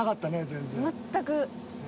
全く。